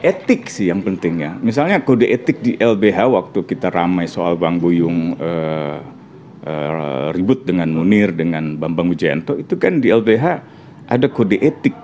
etik sih yang penting ya misalnya kode etik di lbh waktu kita ramai soal bang buyung ribut dengan munir dengan bambang wijayanto itu kan di lbh ada kode etik